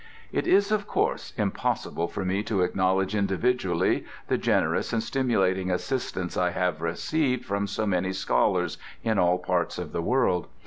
It is, of course, impossible for me to acknowledge individually the generous and stimulating assistance I have received from so many scholars in all parts of the world.